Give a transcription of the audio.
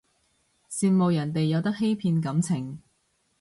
羨慕人哋有得欺騙感情